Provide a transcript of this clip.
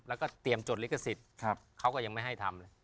แล้วก็เตรียมจดลิขสิทธิ์เขาก็ยังไม่ให้ทำเลย